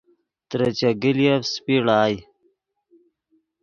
ترے چیگلیف سیپی ڑائے